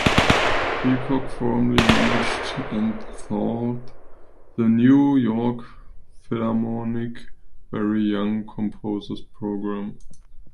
Peacocke formerly managed and taught with the New York Philharmonic Very Young Composers program.